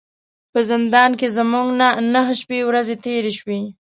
په زندان کې زموږ نه نهه شپې ورځې تیرې شوې.